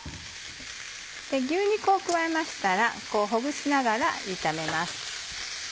牛肉を加えましたらほぐしながら炒めます。